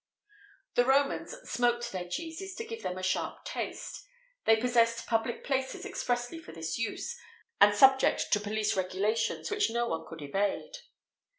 [XVIII 45] The Romans smoked their cheeses, to give them a sharp taste; they possessed public places expressly for this use, and subject to police regulations which no one could evade.